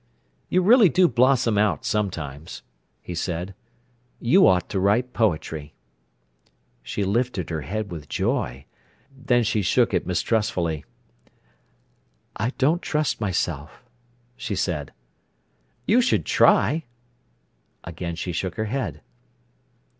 "You really do blossom out sometimes," he said. "You ought to write poetry." She lifted her head with joy, then she shook it mistrustfully. "I don't trust myself," she said. "You should try!" Again she shook her head.